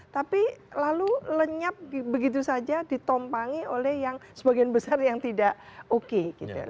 tapi lalu lenyap begitu saja ditompangi oleh yang sebagian besar yang tidak oke gitu